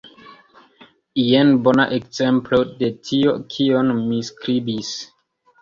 Jen bona ekzemplo de tio, kion mi skribis.